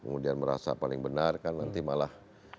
kemudian merasa paling benar kan nanti malah